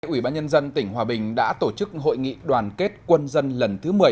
ủy ban nhân dân tỉnh hòa bình đã tổ chức hội nghị đoàn kết quân dân lần thứ một mươi